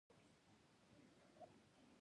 بله لار موږ یو او منسجم نه کړي.